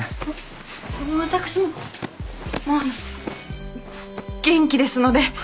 私ももうあの元気ですので。